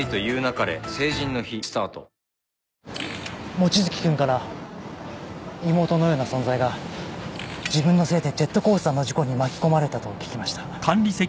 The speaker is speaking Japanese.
望月君から妹のような存在が自分のせいでジェットコースターの事故に巻き込まれたと聞きました。